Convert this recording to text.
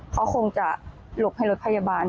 เขาคงจะหลบให้รถพยาบาล